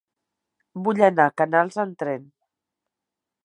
Vull anar a Canals amb tren.